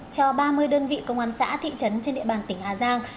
cho ba mươi đơn vị công an xã thị trấn trên địa bàn tỉnh hà giang